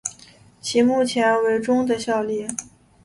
其目前为中的效力。